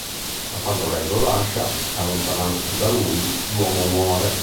Ma quando lei lo lascia, allontanandosi da lui, l'uomo muore.